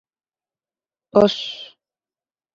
Pos.